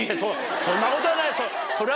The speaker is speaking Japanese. そんなことはない。